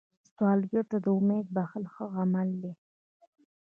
سوالګر ته امید بښل ښه عمل دی